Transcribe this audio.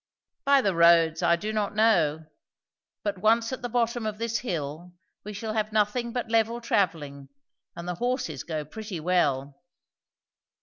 "By the roads, I do not know; but once at the bottom of this hill we shall have nothing but level travelling, and the horses go pretty well."